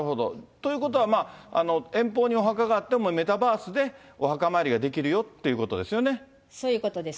ということは、まあ、遠方にお墓があっても、メタバースでお墓参りができるよってことですよね。